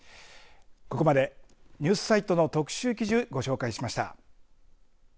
ここまでニュースサイトの特集記事をご紹介しました。